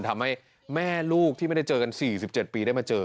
ทำให้แม่ลูกที่ไม่ได้เจอกัน๔๗ปีได้มาเจอ